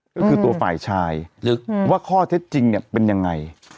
ก็คือตัวฝ่ายชายว่าข้อเท็จจริงเนี่ยเป็นยังไง